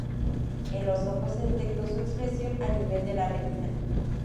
En el ojo se detectó su expresión a nivel de la retina.